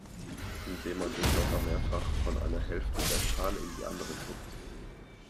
Indem man den Dotter mehrfach von einer Hälfte der Schale in die andere kippt.